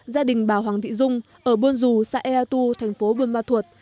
gia đình bà hoàng thị dung ở buôn dù xã ea tu thành phố buôn ma thuột